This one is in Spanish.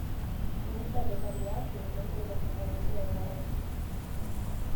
En esta localidad se encuentra el ayuntamiento de Marrachí.